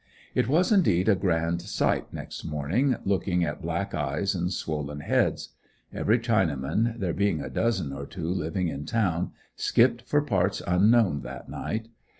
It was indeed a grand sight next morning looking at black eyes and swollen heads. Every Chinaman, there being a dozen or two living in town, skipped for parts unknown that night.